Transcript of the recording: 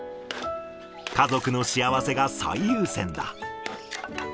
家族の幸せが最優先だ。